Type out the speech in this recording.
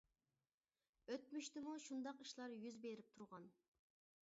ئۆتمۈشتىمۇ شۇنداق ئىشلار يۈز بېرىپ تۇرغان.